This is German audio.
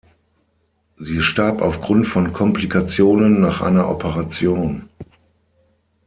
Sie starb aufgrund von Komplikationen nach einer Operation.